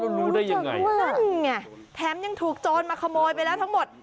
รู้ได้ยังไงนั่นไงแถมยังถูกโจรมาขโมยไปแล้วทั้งหมด